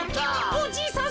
おじいさん